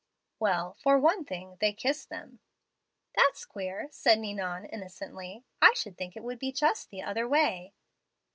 "'Well, for one thing, they kiss them.' "'That's queer,' said Ninon, innocently. 'I should think it would be just the other way.'